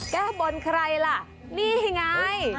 แก้บนใครล่ะนี่ไง